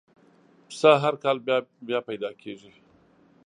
پسه هر کال بیا پیدا کېږي.